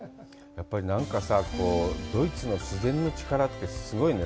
やっぱりなんかさ、ドイツの自然の力って、すごいね。